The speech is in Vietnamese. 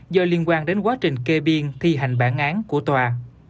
do liên quan đến quá trình kê biên thi hành bản án của tòa